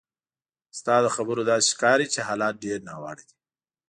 ستا له خبرو داسې ښکاري چې حالات ډېر ناوړه دي.